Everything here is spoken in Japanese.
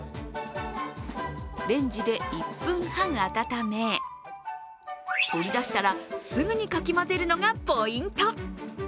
レンジで１分半温め、取り出したら、すぐにかき混ぜるのがポイント。